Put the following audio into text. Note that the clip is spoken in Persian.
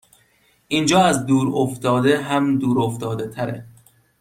اینجااز دور افتاده هم دور افتاده تره